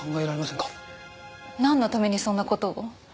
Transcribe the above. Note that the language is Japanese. なんのためにそんな事を？